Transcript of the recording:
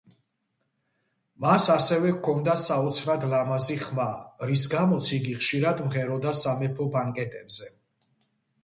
მას ასევე ჰქონდა საოცრად ლამაზი ხმა, რის გამოც იგი ხშირად მღეროდა სამეფო ბანკეტებზე.